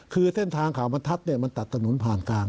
คือเส้นทางเขาบรรทัศน์มันตัดถนนผ่านกลาง